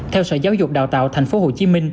theo sở giáo dục đào tạo tp hcm